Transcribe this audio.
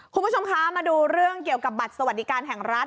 คุณผู้ชมคะมาดูเรื่องเกี่ยวกับบัตรสวัสดิการแห่งรัฐ